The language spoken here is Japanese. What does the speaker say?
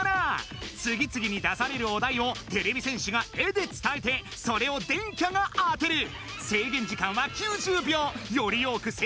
次々に出されるお題をてれび戦士が絵で伝えてそれを電キャが当てる！